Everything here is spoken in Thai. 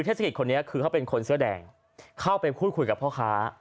เทศกิตเขาเป็นคนเสื้อแดงเข้าไปพูดคุยกับพ่อค้า